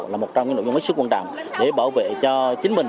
là một trong những nội dung rất quan trọng để bảo vệ cho chính mình